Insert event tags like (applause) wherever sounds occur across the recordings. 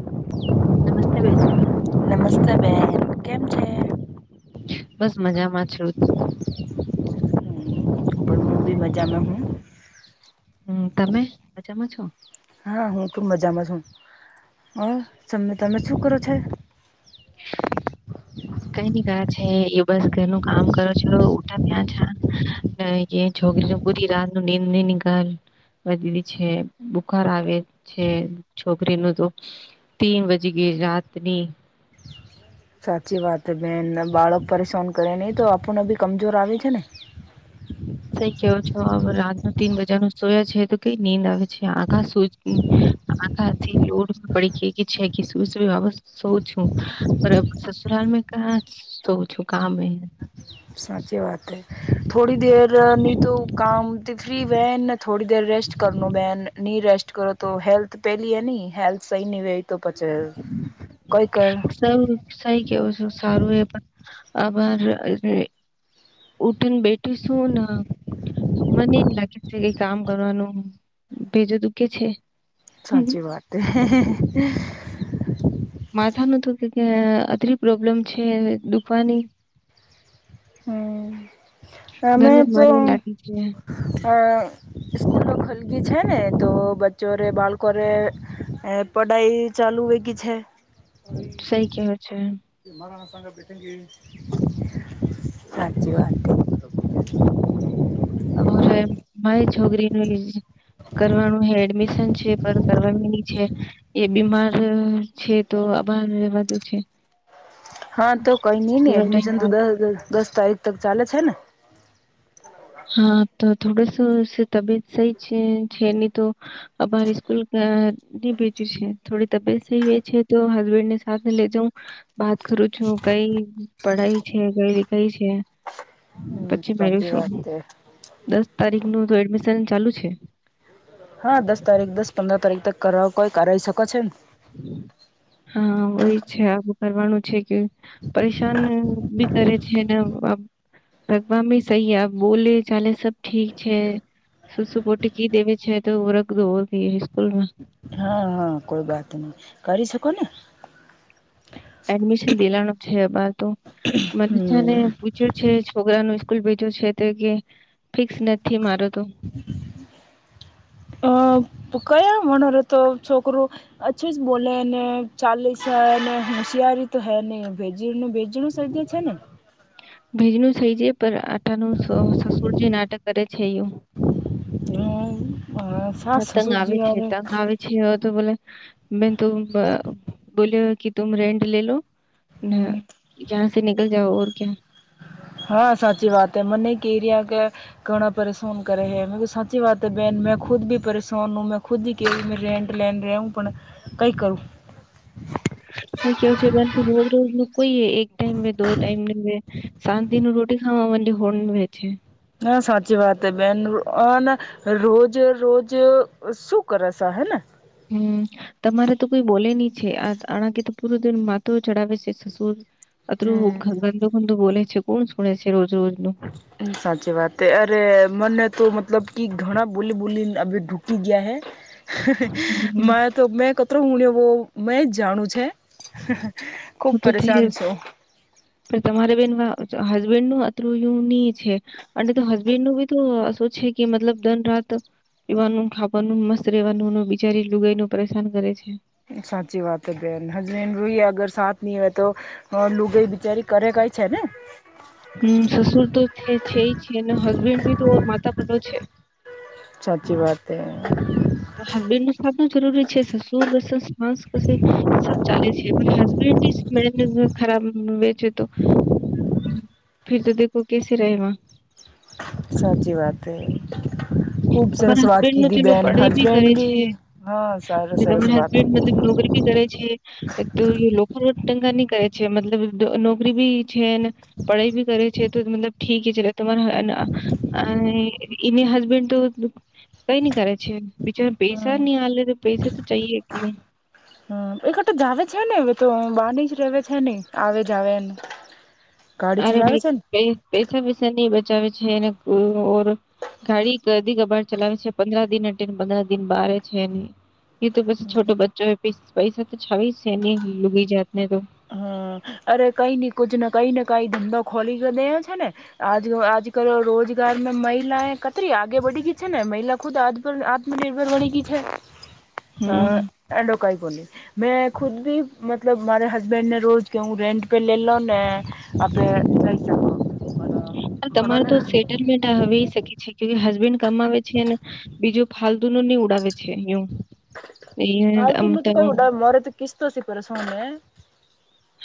(inaudible) નમસ્તે બેન નમસ્તે બેન કેમ છે? બસ મજામાં છું. ટબી બજારમાં હું હમ તમે મજામાં છો. ખૂબ મજામાં છું હ તમે તમે શું કરે છે કઈ નઈ ગયા છે એ બસ ઘરનું કામ કરો છું ઉટા ત્યાં છા એ છોકરી પુરી રાત. ત નીંદે ની કર. વધી છે બુખાર આવે છે છોકરીનું, તો ટી વજીગી ગુજરાતની. સાચી વાત બેન બાળક પરેશાન કરે નહીં તો આપણને બી કમજોર આવે છે ને. સઈ કેવો છો. રાત ન તીન બજા નું સોયા છે તો કઈ નીંદ આવે છે આખા સો આખાથી લોડ પડી ખે કે છે કે શુ શુ વાપ સૌ છું પર અબ સસુરાલ મેં કહા સો ઓછું કામ હે સાચી વાત હે. થોડી દેર ની તો કામ ફ્રી બહેન ને થોડી દેર રેસ્ટ કરનો બેન ની રેસ્ટ કરો તો હેલ્થ પહેલી એની હેલ્થ સ નિવેટ. સૌ સહી કેવું છું સારું એ પણ. આભાર ઉઠીને બેઠીશું ને. મને એ લાગે છે કઈ કામ કરવાનું ભેજો દુખે છે. સાચી વાત હે હે. માથા નું તું કે કે અતરી પ્રોબ્લેમ છે દુખવાની. હમ. અ મેં ઘરમાં તો મને લાગે છે અ સ્કૂલ ખલી છે ને તો બચ્ચો રે બાલકો ને એ પઢઈ ચાલુ વેગી છે સહી કેવે છે મારાા ના સંગ બેઠ (unintelligible) હાચી વાત. (inaudible) (unintelligible) માય છોગરી (unintelligible) કરવાનું હે એડમિશન છે પર કરવાની છે એ બીમાર છે તો. બાબા રવાદે છે. હા! તો કઈ નઈ ને થોડો ટાઈમ એડમિશન તો દ દસ તારીખ તક ચાલે છે ને? હા! તો થોડસો તબિયત સહી છે છે એની તો અમારી સ્કૂલ. બીજું છે. થોડી તબિયત થઈ હોઈ છે, તો હસબેન્ડ ની સાથે લે જાઉ. બાત કરું કરુ છું. કઈ પઢાઈ છે. કઈ દીખઈ છે. (inaudible) પછી સાચી મેશું. વાત છે. દસ તારીખ નું તો એડમિશન ચાલુ છે. હા! દસ તારીખ દસ પંદર તારીખ તક કર કોઈ કરાવી શકો છે. હા! હોય છે. આ કરવાનું છે. કે પરેશાન બી કરે છે ને. રગવા સહી આપ બોલે ચાલે સબ ઠીક છે. સુસુપોટી ક દેવી છે તો રગોતી સ્સ્કૂલમાં. હા હા! કોઈ વાત નહી, કરી શકો ને. એડમિશન દેલાનું છે અબાર તો. મનીષાને હમ પૂછ્યું છે. છોકરા ન સ્કૂલ ભેજો છે તો કે ફિક્સ નથી મારો. (inaudible) (inaudible) કયા વણર તો છોકરું હછું જ બોલે ને ચાલીસ. શયારી તો હે નહ ભેજ ન ભેજણું સ્ય છે ને? ભેજનું થઈ જ પણ આટાનું સસુર જે નાટક કરે છે એવું. (unintelligible) સાસ હા તંગ સસુરજી આવી યાર છે તંગ આવી છે એ તો બોલે. મેં તુમ બ બોલ્યો કે તુમ રેન્ટ લે લો. હમ્મ. જહાં સે નિકલ જાઓ ઔર ક્યાં. હા સાચી વાત હૈ. મને કેરિયા કે ઘણા પરેશાન કરે હૈ. મે કીધું સાચી વાત હે બેન. મેં ખુદથી પરેશાન ભી હું, મેં ખુદ હી કેવી મે રેન્ટ લેન રેહુ, પણ કઈ કરું? સા કેવ છે. રોજ રોજ ન કોઈ હ એક ટાઈમ દ ટાઈમ. શાંતિ ન રોટી ખાવા માટેે હોળ વ છે. હા સાચી વાત બેન. રોજ રોજ શું કરેશે હે ને? હમ તમારે તો કોઈ બોલે નહી છે. આ આણાકી તો પૂરું દ માથ ચડાવે છે સસુર. અત્ર રું હમ ગંધ ગંધો બ છે. કોણ શુને છે રોજ રોજ નું સાચી વાત હ. અરે મને તો મતલબ કે ઘણા બોલી બોલી આપડે ઠુકરાવી ઠુકગયા હૈ. હમ મારે તો મેં કટરો હુંણ્યોહ મેં જ જાણું છે. હ ખુબ તો થ પરેશાન છું પણ તમારે બન. હસબેન્ડ નું અતયુન છે. અને તો હસબેન્ડ નું બી તો શું છે કે મતલબ દન રાત. પીવાનું, ખાવાનું મસ્ત રહેેવાનું બિજારી લુગાઈ ન પરેશાન કરે છે. સાચી વાત હ બેન. હસબેન્ડ રોઈ અગર સા નની હોય તો. હ લુંગઈ બિચારી કરે કઈ છે ને? હમ્મ. સસુર તો છે છેઈ છીન, હસબેન્ડ ભી તો ઓર માતા (unintelligible) છે. સાચી વાત હે. (unintelligible) જરૂરી છે સસુર (unintelligible) સબ ચાલે છે, પણ હસબન્ડ હી (unintelligible) ખરાબ બેચે તો, ફિર તો દેખો કેસે રહેવા. સાચી વાત હે. ખુબ સરસ તમારા વાત હસબેન્ડ ન કીધી ચલો બેન. પઢાઈ હસબેન્ડ કરે બી છે, હા સારા, ને સરસ તમારા વાત. હસબેન્ડ મતલબ નોકરી બી કરે છે. (unintelligible) (unintelligible) ન કરે છે, મતલબ નોકરી ભી છે, ને પઢાઈ ભી કરે છે, તો મતલબ ઠીક હી (unintelligible) (unintelligible) ઈને હસબેન્ડ તો કંઈ નઈ કરે છે. બિચારા પૈસા હમ નહીં આલે, તો પૈસા તો ચાહિયે ક્યું. હ હા. એકે તો જાવે છે ને હવે તો બહાર ની જ રહેવે છે ને, આવે જાવેન. અરે ભઈ (unintelligible) પેસા વેસા નહીં બચાવે છે ને ઔર ગાડી અધી ગબાડ ચલાવે છે, પંદ્રાહ દિન (unintelligible) પંદ્રાહ દિન બારે છે ને. ઈ તો પછી છોટો બચ્ચો હે, પૈસ પૈસા તો છાવી જ છેને લુગી જાતને તો. હમ અરે કંઈ નહીં કુજને કંઈ ન કંઈ ધંધો ખોલી દેઓ છે ને, આજ આજ કલ રોજ (unintelligible) મહિલાએ કતરી આગે બઢી ગઈ છે ને, મહિલા ખુદ આત્ભર આત્મનિર્ભર બની ગી છે. તો હમ એડો કંઈ કોને. મેં ખુદ ભી મતલબ મારે હસબેન્ડને રોજ કે હું રેન્ટ પે લે લો ને આપડે (inaudible) અન તમાર તો સેટલમેન્ટ હવે શકે છે કે હસબેન્ડ કમાવે છે, અને બીજું ફાલ્તુ નુ ની ઉડાવે છે યુ ફાલતુ નું તો કઈ ઉડા મારે તો કિસ્તો સે પર સોને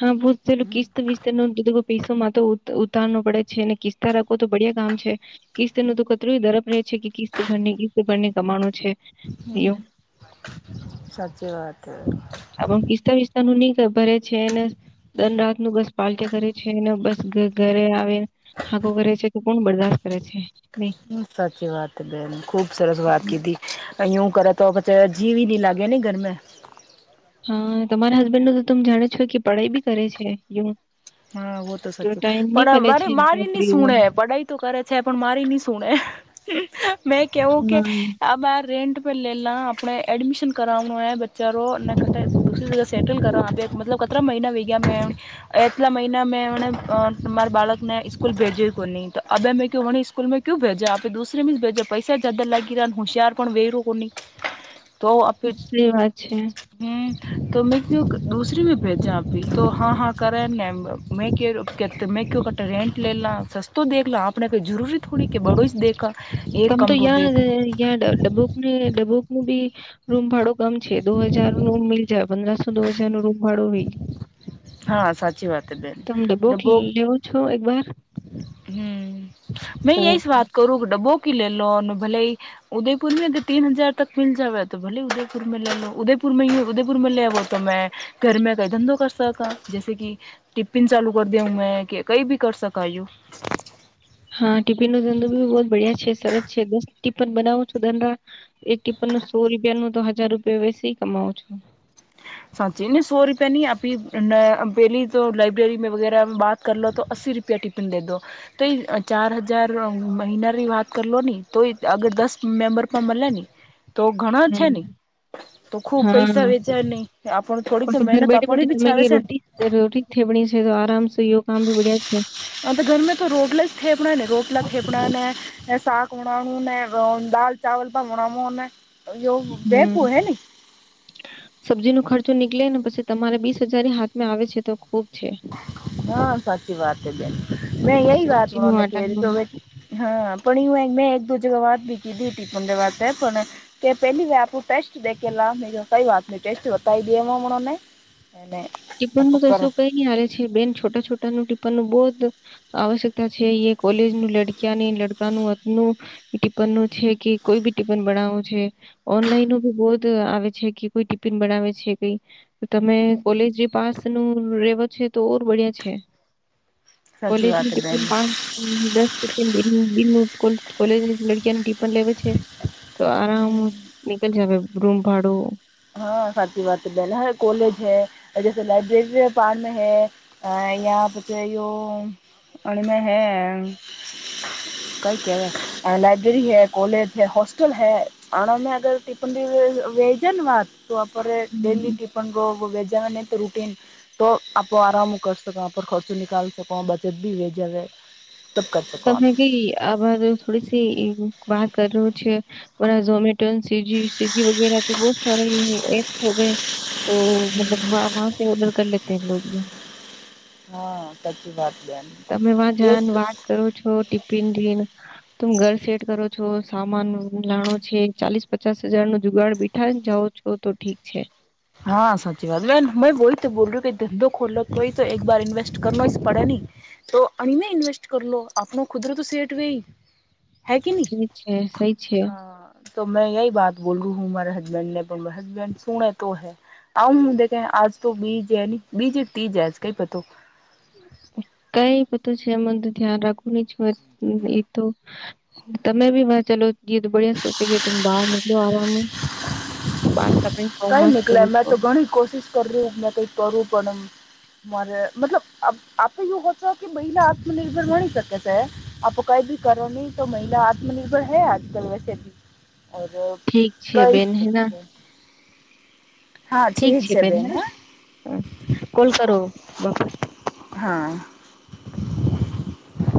હા પૂછ ચલું કિસ્ત બિસ્તનું (unintelligible) પીસોમાં તો ઉતાનો પડે છે અને કિસ્તા રાખો તો બડિયા કામ છે કિસ્ત ન તો કતરું દરફ રહે છે છે કે કિસ્તભરને કિસ્તરને કમાણ હમ સાચી વાત આપણ કિસ્તા વિસ્તા નું ની કઈ ભરે છે ને દન રાત નું બસ પાલટી કરે છે ને બસ ઘરે આવે હાકો કરે છે તો કોણ બરદાશત કરે છે નહી હ સાચી વાત બેન ખૂબ સરસ વાત કીધી. અહી આવુ કરે તોજીવ ને લાગે ને ઘરમે હ તમારા હસબેન્ડ નું તો તમે જાણો જ છો કે પઢાઈ બી કરે છે એવું હા વ તો સાચી ટાઈમ નહી પણ મળે મારે છે મારી નહી નોકરી નો સુણે પડાઈ તો કરે છે પણ મારી નની સુણે મેં કવું કે હા આ બા રેન્ટ લ લ આપણે એડમિશન કરાવનું બચારો ના ક દરી જગ સેટલ કરાત સત્ર મહિના વી ગયા મે એ. પિછલા મહિના મેંને તમા મા બાળકને સ્કૂલ ભેજ્યું કો ન તો અભ મેંને સ્કૂલ મેં ક્યુ ભેજ જ આપે દુસરે મજ પૈસા જદા લાગી રહ્યા હોશયાર પણ વે રહો કોહી તો આપ સાચી વાત છે (unintelligible) તો મેં કુ દૂસરી મે ભેજા ભી તો હા હા કરે ન બ મેં કે મેં કે ત મેં કો કરતા રેન્ટ લે લાં સસ્તો દેખ લા આપણે કોઈ જરૂરી થોડી કે બરોઈ જ દેખા એક તમ તો યાર દેખ લો યા ડ ડબોકને ડબોક નું બી રૂમ ભાડો બમ છે દો હજાર નો મીલ જાય પંદરાસો દો હજાર નો રૂમ. ભાડો હા સાચી વાત હે બેન તમે ડબ્બો થી લેવો છો એક વાર. હમ મે તો એય વાત કરું કે ડબ બોકી ભલે ઉદયપુર મે તીન હજાર તક મિલ જવે તો ભલે ઉદયપુર મે લેલો દયપુર યુ ઉદયપુરમાં લેવો તો મેં ઘરમે કઈ ધંધો કરકા જૈસે કે ટિફિન ચાલ કરી દેવ મેં કે કઈ ભી કર સકાયું હા ટિફિન નો ધંધો બી બવ બઢિયા છે સરસ છે દસ ટિફન બનાવો છો ધંધા એક ટ ત સો રૂપિયા નું તો હજાર રૂપિયા વેસી કમાવ છો સાચી ન સો રૂપિયા ન આપી પહેલી તો લાઈબ્રેરી વગેરા બાત કરલો લો તો રૂપિયા ટિપિન દે દો તો એ ચાર હજાર મહિનાની વાત કરલો લો ને તો અગર દસ. દસ મેમ્બર પણ મળ્યા ને તો ઘણા છે હમ્મ. ને તો ખુબ પૈસા હા વેચાય નહી આપણ થોડીક તો ઘર મહેનત બેઠી આપણી બેઠી બી તમે છાવે છે રોટી રોટી થેબણી છે તો આરામ. સે યો કામ ભી બઢિયા છે. હા તો ઘરમે તો રોટલા જ થેપણા ને રોટલા થે પણા ને સાક (unintelligible) યો હમ્મ. બેપુ હૈ ન જો નીકળે ને પછી તમારે બીસ હજાર હાથમાં આવે છે તો ખુબ છે. હા સાચી વાત છે બેન મે એય સબ્જી નું વાતને કેતો આટાનું હા. પણ મે એક દ જગ વાત ભી કીધી ટી વા પણ તે પહેલી વા આપ ટેસ્ટે. કઈ વાત ન ટેસ્ટી બતાવી દ એ મ ને. ટિ્પન ન તો શું કઈ નઈ હ આવે. બેન છોટા છોટા ન ટીપન નું બહું જ આવશ્યકતા છે અ કોલેજ નું લડકીયા લડકા. ટ છે કોઈ બી ટ બનાવું છે ઓનલાઈન ની બ. આવે છે કે કોઈ ટિફિન બનાવે છે કઈ. તમે કોલેજ પાસ નું રેવો છે તો ઓર બડિયા છે. સાચી કોલેજ વાત બેન પણ પાંચ દસ (unintelligible) કોલેજ લડકિયા ન ટીફન લેવે છે તો આરામ નીકળ જ. રૂમ ભાડું. હા સાચી વાત બેન કોલેજ હૈ જ લાઇબ્રેરી પાર્ હૈ. યા પછી યો અને મે હે. કઈ લાઇબ્રેરી હૈ કોલેજ હૈ હોસ્ટલ હૈ આના મે અગ ટિફન. વેજન વાત આપ ડેલી હમ્મ (unintelligible) વેજા અને ત્રુટિન તો રૂટીન તો આપો આરામ કરકો ખર્ચો નિકાલ સકો બચત ભી વેજે (unintelligible) તમે બી આર થોડી સી વાત કર્યું. એમેઝોન, સ્વીગી વગેરે તો છે ને. તો મતલબ ઓર્ડર કર લેતે લોકો જે. હા, સાચી વાત, બેન એક. તો ટીફિન દિન. તમે ઘર સેટ કરો છો, સામાન લાણો છે, ચાલીસ-પચાસ હજાર નો જુગાડ બેઠા. જાઓ છો, તો ઠીક છે. હા, સાચી વાત. મે મેં વહી તો બોલ્યું કે ધંધો ખોલલો તો તો એક બાર ન્વેસ્ટ કર પડે ને. તો અણીને ઇન્વેસ્ટ કરલો, આપણો કુદરત સેઠ વય. હે કે ન, સહી છે સહી છે હા? તો મેં એહી વાત બોલ, હું મારે હસબન્ડે પણ, હસબન્ડે સુણે. તો હુ છે કે, આજ તો બીજ ન બીજ તીજજ કઈ પતો. કઈ બતો છે, એમ તો ધ્યાન રાખવું ની જ હોય. હ, એતો તમે બી વા ચાલો. જે તો બડિયા સોચે કે તુમે બહાર નકલો આરામ હ બહાર ક. કઈ નીકળે મેં તો ઘણી કોશિશ કર્યું મે કઈક કરું પણ એમ. મારે મતલબ આપે એવુંત કે મહિલા આત્મનિર્ભર ભણી શકે છે આપ. કઈ ભી કરો ની તો મહિલા આત્મનિર્ભર હૈ આજ કલ વેસેભી ઓર અબ ઠીક છે કઈ બેન હેના શકીયે હા ઠીક છે બેન હ કોલ કરો બાપા હા. (unintelligible)